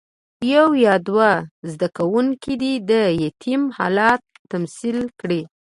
یو یا دوه زده کوونکي دې د یتیم حالت تمثیل کړي.